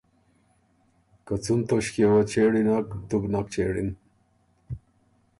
که څُون توݭکې وه چېړی نک، تُو بُو نک چېړِن۔